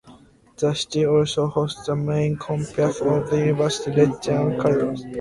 The city also hosts the main campus of the Universidad Rey Juan Carlos.